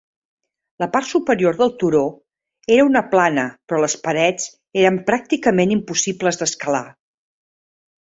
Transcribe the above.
La part superior del turó era una plana però les parets eren pràcticament impossibles d'escalar.